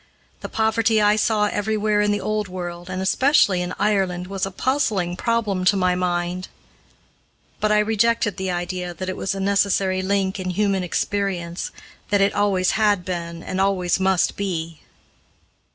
The poverty I saw everywhere in the Old World, and especially in Ireland, was a puzzling problem to my mind, but I rejected the idea that it was a necessary link in human experience that it always had been and always must be.